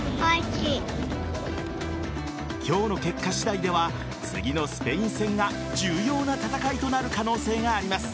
今日の結果次第では次のスペイン戦が重要な戦いとなる可能性があります。